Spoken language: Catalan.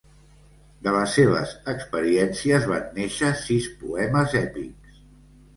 De les seves experiències van néixer sis poemes èpics.